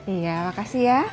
iya makasih ya